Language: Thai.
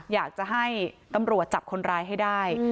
อยากจะให้ตำรวจจับคนร้ายให้ได้